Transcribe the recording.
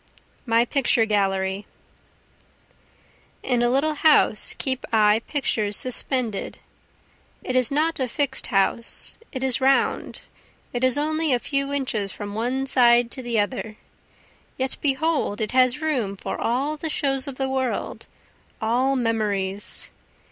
My Picture Gallery In a little house keep I pictures suspended, it is not a fix'd house, It is round, it is only a few inches from one side to the other; Yet behold, it has room for all the shows of the world, all memories!